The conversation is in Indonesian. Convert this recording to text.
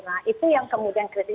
nah itu yang kemudian kritik